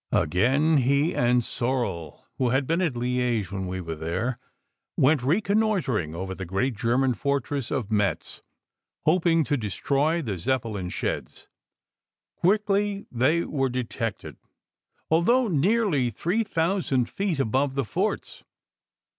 Again he and Sorel (who had been at Liege when we were there) went reconnoitring over the great German fortress of Metz, hoping to destroy the Zeppelin sheds. Quickly they were detected, although nearly three thousand feet above the forts.